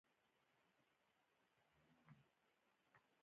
د ډاکټر لونګ يوسفزي هم مننه چې د دې لګښت کې يې ونډه اخيستې.